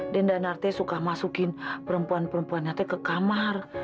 dendanar suka masukkan perempuan perempuannya ke kamar